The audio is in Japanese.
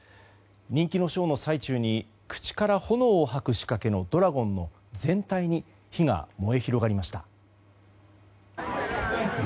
人気のショーの最中に口から炎を吐く仕掛けのドラゴンの全体に火が燃え広がりました。